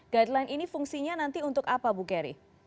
guideline ini fungsinya nanti untuk apa bu kerry